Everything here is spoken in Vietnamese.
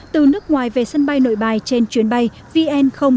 từ nước ngoài về sân bay nội bài trên chuyến bay vn năm mươi